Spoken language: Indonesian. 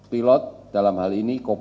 pilot dalam hal ini